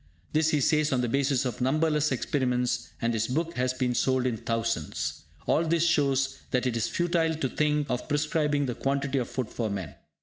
This he says on the basis of numberless experiments, and his book has been sold in thousands. All this shows that it is futile to think of prescribing the quantity of food for men.